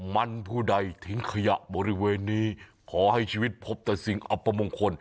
มันผู้ใดทิ้งขยะบริเวณนี้ขอให้ชีวิตพบแต่สิ่งอัปมงคล